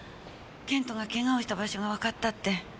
謙人がケガをした場所がわかったって。